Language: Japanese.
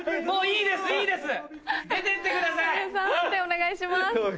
判定お願いします。